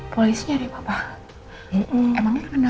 polisi nyari bapak